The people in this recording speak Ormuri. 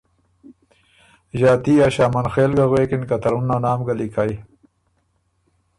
ݫاتي ا ݭامن خېل ګه غوېکِن که ”ترمُن ا نام ګه لیکئ